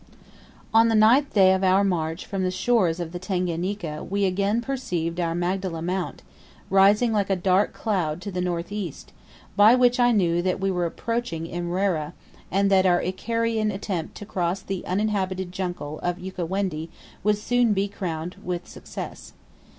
On the ninth day of our march from the shores of the Tanganika we again perceived our "Magdala Mount," rising like a dark cloud to the north east, by which I knew that we were approaching Imrera, and that our Icarian attempt to cross the uninhabited jungle of Ukawendi would soon be crowned with success.